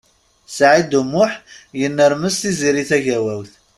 Saɛid U Muḥ yennermes Tiziri Tagawawt.